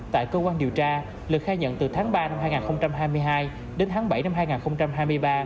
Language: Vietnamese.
tại cơ quan điều tra lực khai nhận từ tháng ba năm hai nghìn hai mươi hai đến tháng bảy năm hai nghìn hai mươi ba